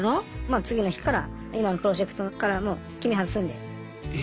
次の日から今のプロジェクトからもう君外すんで。